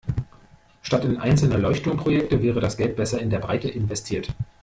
Statt in einzelne Leuchtturmprojekte wäre das Geld besser in der Breite investiert.